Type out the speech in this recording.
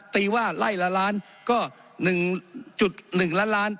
ตีว่าไล่ละล้านก็๑๑ล้านล้าน